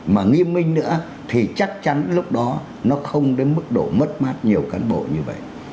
mà nghiêm minh nữa thì chắc chắn lúc đó nó không đến mức độ mất mát nhiều cán bộ như vậy